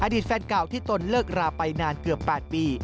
อดีตแฟนเก่าที่ตนเลิกราไปนานเกือบ๘ปี